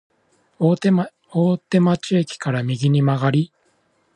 大手町駅から右に曲がり、